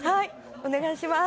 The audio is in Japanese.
お願いします。